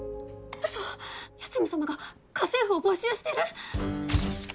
ウソ八海サマが家政婦を募集してる！？